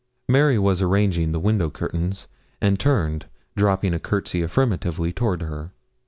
Mary was arranging the window curtains, and turned, dropping a courtesy affirmatively toward her.